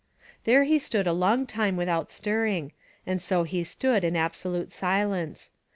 There he stood a long time without stirring, and so he stood in absolute silence.